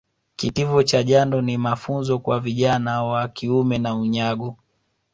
Kitivo cha jando ni mafunzo kwa vijana wa kiume na unyago